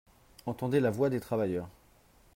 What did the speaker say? Entendez la voix des travailleurs